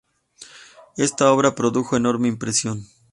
Esta obra produjo enorme impresión.